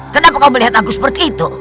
kenapa kau melihat aku seperti itu